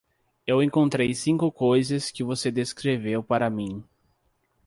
Eu encontrei cinco coisas que você descreveu para mim.